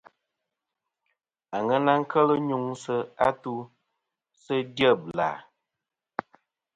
Aŋena kel nyuŋsɨ atu sɨ dyebla.